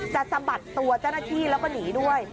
สะบัดตัวเจ้าหน้าที่แล้วก็หนีด้วย